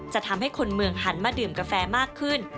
จะทำให้คนเมืองหันมาดื่มกาแฟมากขึ้น